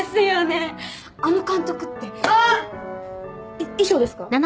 いっ衣装ですか？